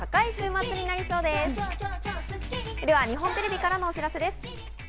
では、日本テレビからのお知らせです。